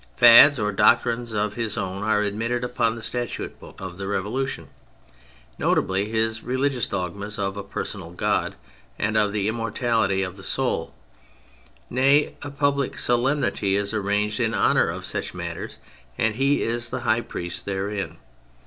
Fads or doctrines of his o^ti are admitted upon the Statute Book of the Revolution, notably his rehgious dogmas of a personal God and of the immortality of the soul. Nay, a public solemnity is arranged in honour of such matters, and he is the high priest therein.